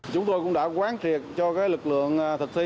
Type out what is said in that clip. chúng tôi cũng đã quán triệt cho lực lượng thực thi